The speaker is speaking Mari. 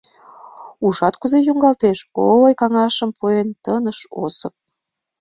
Ужат, кузе йоҥгалтеш!» — ой-каҥашым пуэн Тыныш Осып.